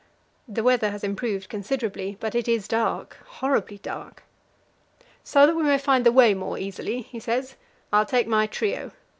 The weather has improved considerably, but it is dark horribly dark. "So that we may find the way more easily," he says, "I'll take my trio.